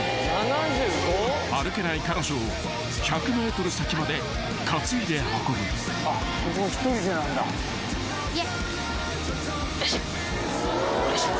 ［歩けない彼女を１００ｍ先まで担いで運ぶ］よいしょ。